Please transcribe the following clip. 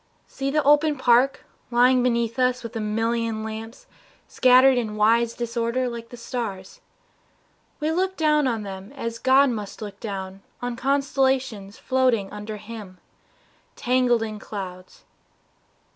See the open park Lying below us with a million lamps Scattered in wise disorder like the stars. We look down on them as God must look down On constellations floating under Him Tangled in clouds.